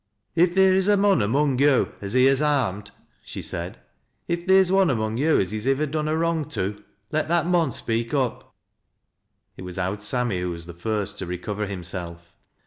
" If theer is a mon among yo' as he has harmed," she said ;" if theer's one among yo' as he's ivver done a wrong tr, let that mon speak up." It was " Owd Sammy " who was the first to recover him self.